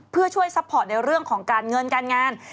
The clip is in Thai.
เพื่อช่วยซัพพอร์ตในเรื่องของการเงินการงาน